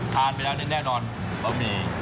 ทานไปแล้วแน่ดอนปะหมี่